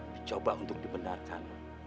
dicoba untuk dibenarkan